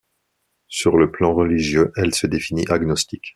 Sur le plan religieux, elle se définit agnostique.